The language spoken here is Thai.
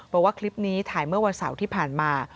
บอกว่าคลิปนี้ถ่ายเมื่อวันเสาร์ที่ผ่านมา